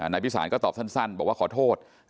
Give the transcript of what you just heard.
นายพิสารก็ตอบสั้นบอกว่าขอโทษ